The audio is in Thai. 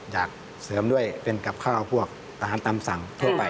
อยากเสริมด้วยเป็นกับข้าวพวกอาหารตามสั่งทั่วไป